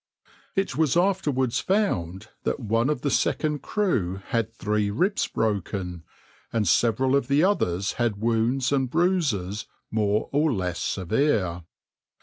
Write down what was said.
\par "It was afterwards found that one of the second crew had three ribs broken, and several of the others had wounds and bruises more or less severe.